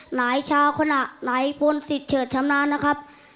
หนายชาวคณะหนายพลสิทธิ์เฉิดชำนาญนะครับ